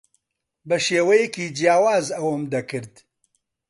بە شێوەیەکی جیاواز ئەوەم دەکرد.